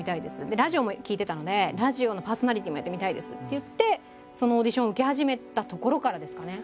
でラジオも聴いてたので「ラジオのパーソナリティーもやってみたいです」って言ってそのオーディションを受け始めたところからですかね。